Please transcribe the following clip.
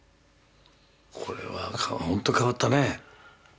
これはほんと変わったね。